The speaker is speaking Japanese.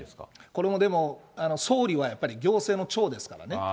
これもでも、総理はやっぱり行政の長ですからね。